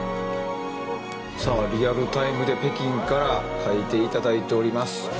リアルタイムで北京から書いていただいております。